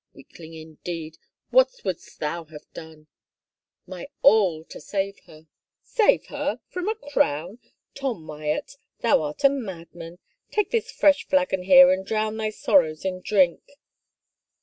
Weakling indeed! What wouldst thou hiave done?" My all to save her." Save her — from a crown ? Tom Wyatt, thou art a madman. Take this fresh flagon here and drown thy sorraws in drink